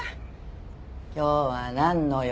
今日はなんの用？